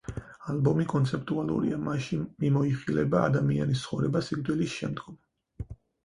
ალბომი კონცეპტუალურია, მასში მიმოიხილება ადამიანის ცხოვრება სიკვდილის შემდგომ.